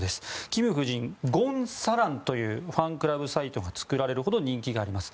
キム夫人、ゴン・サランというファンクラブサイトが作られるほど人気があります。